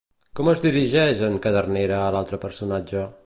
Com es dirigeix en Cadernera a l'altre personatge?